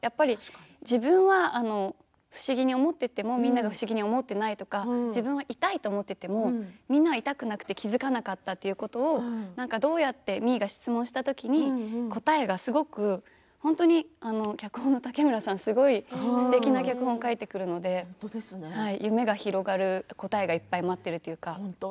自分は不思議に思っていてもみんなが不思議に思っていないとか自分が痛いと思っていてもみんなが痛くなくて気付かなかったということどうやって、みーが質問した時に答えが、脚本の竹村さんがすごいすてきな脚本を書いてくるので夢が広がる答えがいっぱい待っているというか。